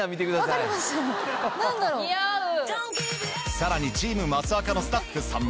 さらにチーム益若のスタッフさんも。